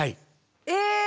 え！